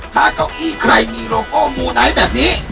ถ้าเก้าอี้ใครมีโลโก้มูไนท์แบบนี้